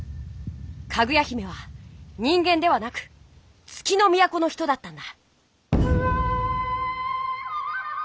かぐや姫は人間ではなく月のみやこの人だったんだ。